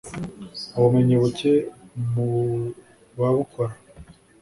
ubumenyi buke mu babukora